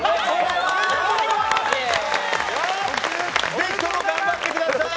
ぜひとも頑張ってください。